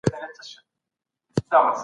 ښځې هم کولی شي په سوداګرۍ کې بریالۍ وي.